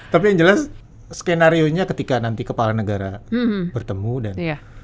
tapi yang jelas skenario nya ketika nanti kepala negara bertemu dan